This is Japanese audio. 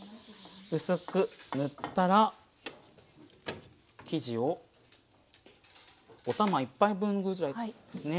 薄く塗ったら生地をお玉１杯分ぐらいですね。